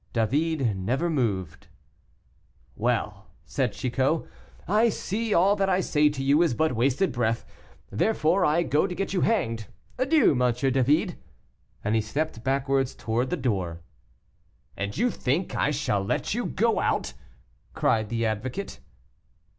David never moved. "Well," said Chicot, "I see all that I say to you is but wasted breath; therefore, I go to get you hanged. Adieu, M. David," and he stepped backwards towards the door. "And you think I shall let you go out," cried the advocate.